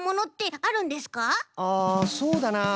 あそうだな